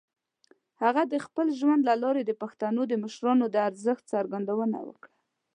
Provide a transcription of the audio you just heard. هغه د خپل ژوند له لارې د پښتنو د مشرانو د ارزښت څرګندونه وکړه.